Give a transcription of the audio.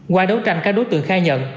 qua đấu tranh các đối tượng khai nhận